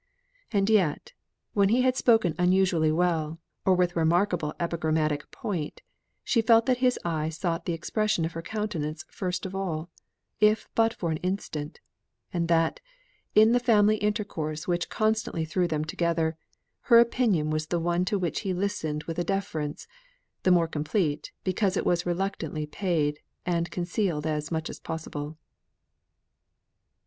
And yet, when he had spoken unusually well, or with remarkable epigrammatic point, she felt that his eye sought the expression of her countenance first of all, if but for an instant; and that, in the family intercourse which constantly threw them together, her opinion was the one to which he listened with a deference, the more complete, because it was reluctantly paid, and concealed as much as possible.